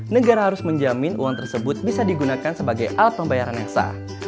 negara harus menjamin uang tersebut bisa digunakan sebagai alat pembayaran yang sah